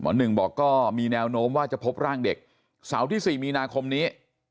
หนึ่งบอกก็มีแนวโน้มว่าจะพบร่างเด็กเสาร์ที่๔มีนาคมนี้